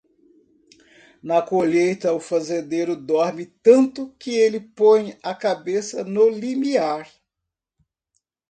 Na colheita, o fazendeiro dorme tanto que ele põe a cabeça no limiar.